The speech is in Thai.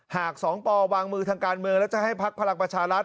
หาก๒พลวางมือถังการเมืองแล้วจะให้พรรคพลักษณ์ประชารัฐ